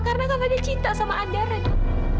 karena kak fadil cinta sama andara do